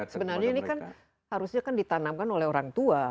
sebenarnya ini kan harusnya kan ditanamkan oleh orang tua